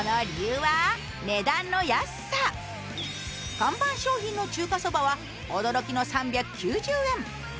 看板商品の中華そばは、驚きの３９０円。